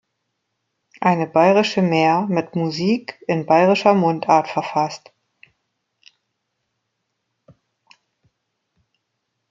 Eine bairische Mär mit Musik" in bairischer Mundart verfasst.